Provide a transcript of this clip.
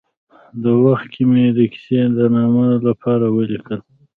دې وخت کې مې د کیسې د نامه لپاره ولیکل.